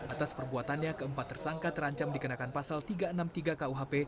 atas perbuatannya keempat tersangka terancam dikenakan pasal tiga ratus enam puluh tiga kuhp